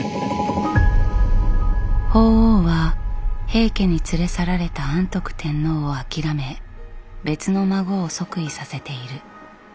法皇は平家に連れ去られた安徳天皇を諦め別の孫を即位させている。